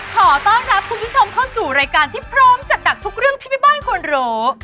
ขอต้อนรับคุณผู้ชมเข้าสู่รายการที่พร้อมจัดหนักทุกเรื่องที่แม่บ้านควรรู้